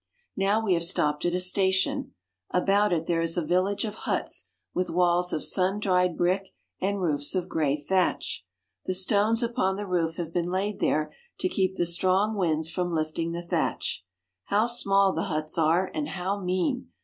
Now we have stopped at a station. About it there is a village of huts with walls of sun dried brick and roofs of gray thatch. The stones upon the roof have been laid there to keep the strong winds from Hfting the thatch. How small the huts are, and how mean